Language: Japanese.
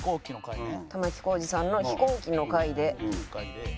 「玉置浩二さんの飛行機の回で」。